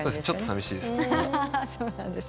ちょっとさみしいです。